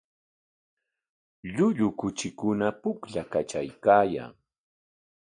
Llullu kuchikuna pukllaykatraykaayan.